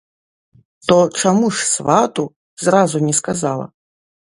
То чаму ж свату зразу не сказала?